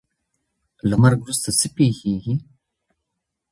له مرګ وروسته څه پیښیږي؟